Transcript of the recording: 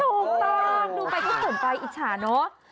ถูกต้องดูไปก็สนใจอิจฉาเนอะ